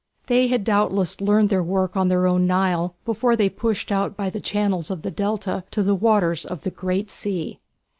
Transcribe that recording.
They had doubtless learned their work on their own Nile before they pushed out by the channels of the Delta to the waters of the "Great Sea."